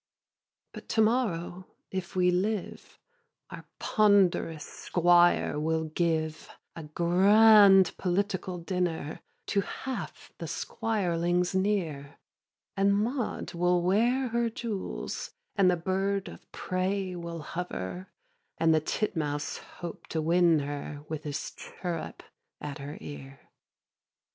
2. But to morrow, if we live, Our ponderous squire will give A grand political dinner To half the squirelings near; And Maud will wear her jewels, And the bird of prey will hover, And the titmouse hope to win her With his chirrup at her ear.